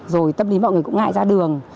rồi tâm lý mọi người cũng ngại ra đường